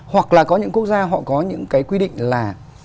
hoặc là có những quốc gia họ có những cái quy định là